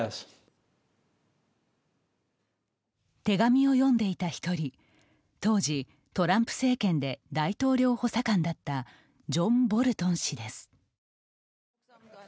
手紙を読んでいた一人当時、トランプ政権で大統領補佐官だったジョン・ボルトン氏です。